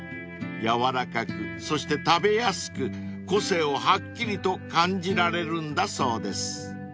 ［柔らかくそして食べやすく個性をはっきりと感じられるんだそうです］